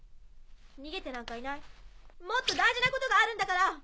逃げてなんかいないもっと大事なことがあるんだから。